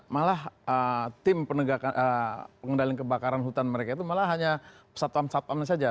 malah tim pengendalian kebakaran hutan mereka itu malah hanya persatuan satuan saja